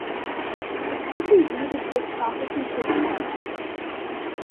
The county deeded this property to the town.